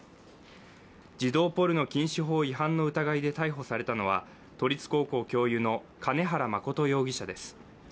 児童ポルノ禁止法違反の疑いで逮捕されたのは都立高校の教諭の兼原真容疑者です。